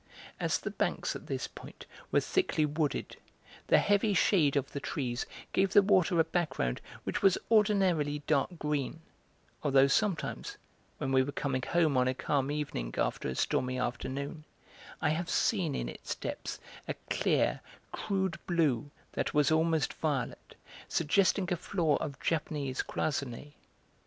As the banks at this point were thickly wooded, the heavy shade of the trees gave the water a background which was ordinarily dark green, although sometimes, when we were coming home on a calm evening after a stormy afternoon, I have seen in its depths a clear, crude blue that was almost violet, suggesting a floor of Japanese cloisonné.